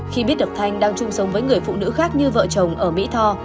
khi biết được thanh đang chung sống với người phụ nữ khác như vợ chồng ở mỹ tho